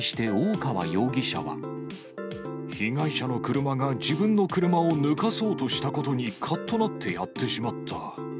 被害者の車が、自分の車を抜かそうとしたことにかっとなってやってしまった。